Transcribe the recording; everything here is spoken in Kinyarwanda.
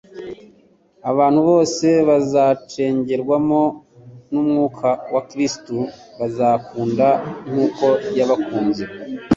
Abantu bose bazacengerwamo n'umwuka wa Kristo bazakunda nk'uko yabakunze.